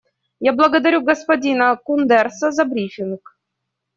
Я благодарю господина Кундерса за брифинг.